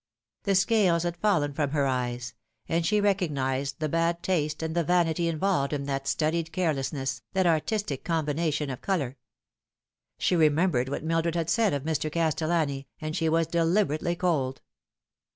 The scales had fallen from her eyes ; and she recog nised the bad taste and the vanity involved in that studied care lessness, that artistic combination of colour. She remembered what Mildred had said of Mr. Castellani, and she was deliberately cold.